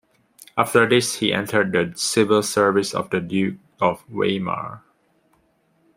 After this he entered the civil service of the Duke of Weimar.